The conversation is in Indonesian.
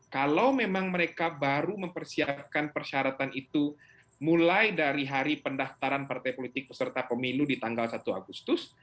kalau memang mereka baru mempersiapkan persyaratan itu mulai dari hari pendaftaran partai politik peserta pemilu di tanggal satu agustus